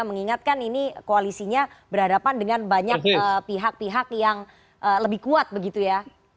mengingatkan ini koalisinya berhadapan dengan banyak pihak pihak yang lebih kuat begitu ya